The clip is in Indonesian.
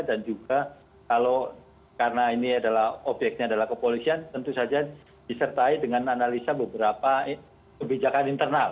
dan juga kalau karena ini adalah objeknya adalah kepolisian tentu saja disertai dengan analisa beberapa kebijakan internal